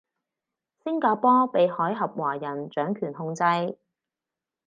星加坡被海峽華人掌權控制